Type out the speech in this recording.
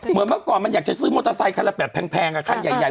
เมื่อก่อนมันอยากจะซื้อมอเตอร์ไซคันละแบบแพงคันใหญ่